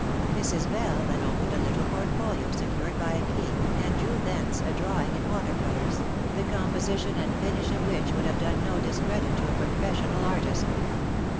Mrs. Bell then opened a little portfolio, secured by a key, and drew thence a drawing in water colours, the composition and finish of which would have done no discredit to a professional artist.